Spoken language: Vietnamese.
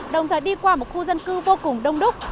đồng thời đi qua một khu dân cư vô cùng đông đúc